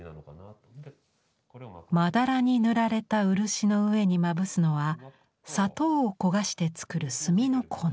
まだらに塗られた漆の上にまぶすのは砂糖を焦がして作る炭の粉。